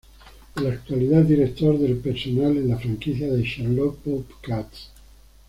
En la actualidad es Director de Personal en la franquicia de Charlotte Bobcats.